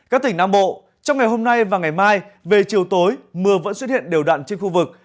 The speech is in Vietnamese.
các tỉnh nam bộ trong ngày hôm nay và ngày mai về chiều tối mưa vẫn xuất hiện đều đặn trên khu vực